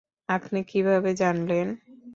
আপনি কীভাবে জানলেন?